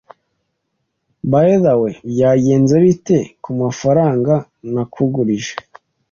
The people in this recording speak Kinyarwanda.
By the way, byagenze bite kumafaranga nakugurije?